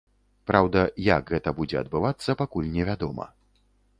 Праўда, як гэта будзе адбывацца, пакуль невядома.